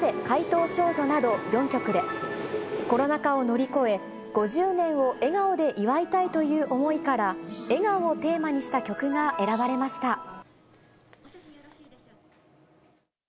怪盗少女など４曲で、コロナ禍を乗り越え、５０年を笑顔で祝いたいという思いから、笑顔をテーマにした曲が選ばれました。